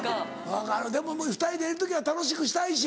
分かるでも２人でいる時は楽しくしたいし。